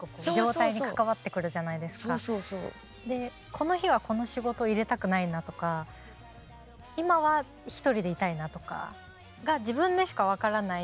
この日はこの仕事入れたくないなとか今はひとりでいたいなとかが自分でしか分からない